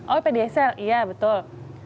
oh pediasa iya betul